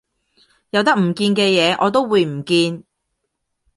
有得唔見嘅嘢我都會唔見